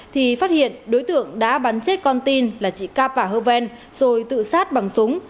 thì phát hiện đối tượng đã bắn chết con tin là chỉ ca bảo hơ vên rồi tự sát bằng súng